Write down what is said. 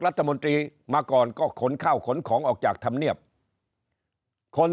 รัฐมนตรีมาก่อนก็ขนข้าวขนของออกจากธรรมเนียบคน